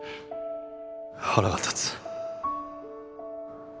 腹が立つ。